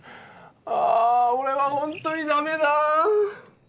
ああ俺はほんとにダメだ。